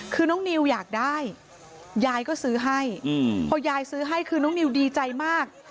คือน้องนิวอยากได้ยายก็ซื้อให้พอยายซื้อให้คือน้องนิวดีใจมาก